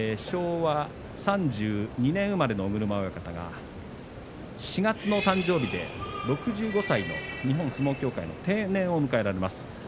昭和３２年生まれの尾車親方４月の誕生日で６５歳の日本相撲協会の定年を迎えられます。